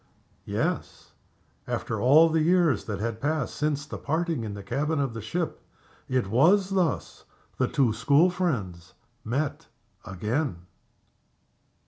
Yes! After all the years that had passed since the parting in the cabin of the ship, it was thus the two school friends met again.